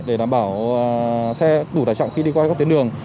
để đảm bảo xe đủ tải trọng khi đi qua các tuyến đường